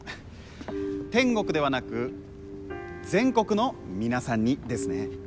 天国ではなく全国の皆さんにですね。